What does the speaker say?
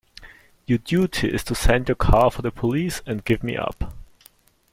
Your duty is to send your car for the police and give me up.